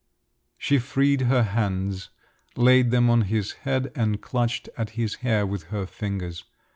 She freed her hands, laid them on his head, and clutched at his hair with her fingers.